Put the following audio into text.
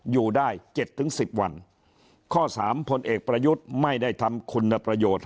อยู่ได้เจ็ดถึงสิบวันข้อสามพลเอกประยุทธ์ไม่ได้ทำคุณประโยชน์